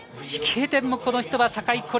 飛型点もこの人は高い。